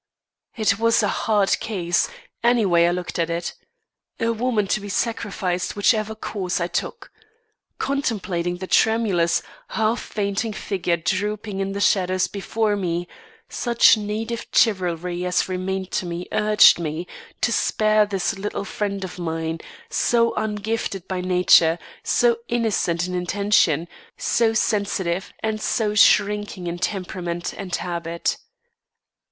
It was a hard case, any way I looked at it. A woman to be sacrificed whichever course I took. Contemplating the tremulous, half fainting figure drooping in the shadows before me, such native chivalry as remained to me, urged me to spare this little friend of mine, so ungifted by nature, so innocent in intention, so sensitive and so shrinking in temperament and habit.